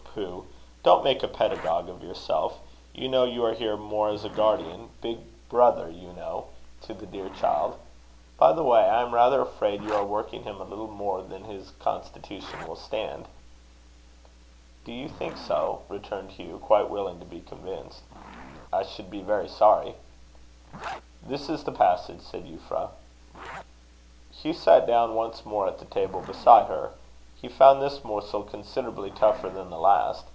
pooh! Don't make a pedagogue of yourself. You know you are here more as a guardian big brother, you know to the dear child. By the way, I am rather afraid you are working him a little more than his constitution will stand." "Do you think so?" returned Hugh quite willing to be convinced. "I should be very sorry." "This is the passage," said Euphra. Hugh sat down once more at the table beside her. He found this morsel considerably tougher than the last.